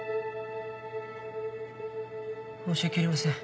申し訳ありません。